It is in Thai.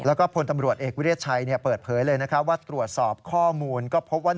แล้วก็พลตำรวจเอกวิทยาชัยเปิดเผยเลยว่าตรวจสอบข้อมูลก็พบว่า